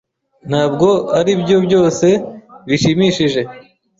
Ntabwo aribyo byose bishimishije.